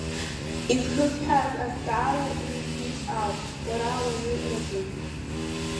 Изхысҳәааз азҵаара иуҭиз ауп, уара ауаҩы разы.